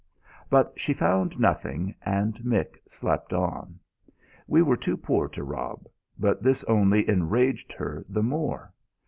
But she found nothing, and Mick slept on. We were too poor to rob; but this only enraged her the more.